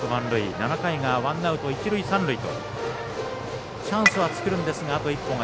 ７回がワンアウト、一塁三塁とチャンスは作るんですが